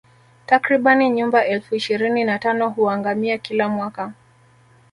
Takribani nyumbu elfu ishirini na tano huangamia kila mwaka